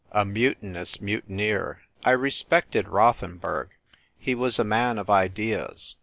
A MUTINOUS MUTINEER. I RESPECTED Rotlienburg ; he was a man of ideas.